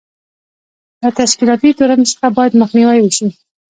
له تشکیلاتي تورم څخه باید مخنیوی وشي.